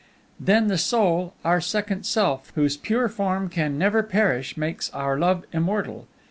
Then, the soul, our second self, whose pure form can never perish, makes our love immortal.